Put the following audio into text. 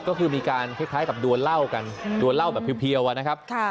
ก็คือมีการคล้ายคล้ายกับดัวเหล้ากันดัวเหล้าแบบเพียวเพียวอะนะครับ